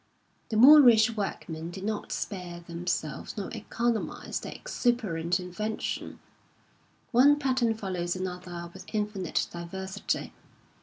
The Moorish workmen did not spare themselves nor economise their exuberant invention. One pattern follows another with infinite diversity.